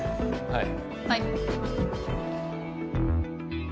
はい。